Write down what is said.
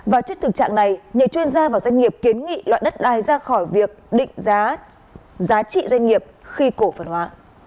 và trước thực trạng này nhiều chuyên gia và doanh nghiệp kiến nghị loại đất đai ra khỏi việc định giá giá trị doanh nghiệp khi cổ phần hóa